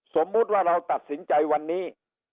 สมมุติว่าเราตัดสินใจวันนี้